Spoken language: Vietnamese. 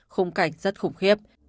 khung cảnh rất khủng khiếp